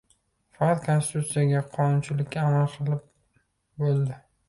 Faqat konstitutsiyaga, qonunchilikka amal qilib. Bo‘ldi.